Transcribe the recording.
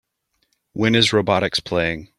When is Robotix playing?